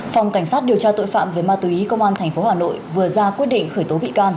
phòng cảnh sát điều tra tội phạm về ma túy công an tp hà nội vừa ra quyết định khởi tố bị can